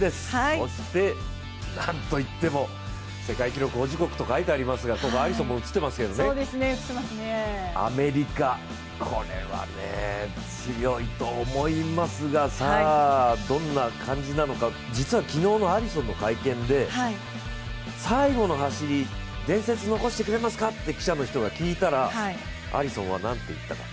そして、なんといっても世界記録保持国と書いてありますがアリソンも写ってますけどねアメリカ、これはね強いと思いますが、どんな感じなのか、実は昨日のアリソンの会見で最後の走り伝説、残してくれますか？と記者の人が聞いたら、アリソンはなんて言ったか。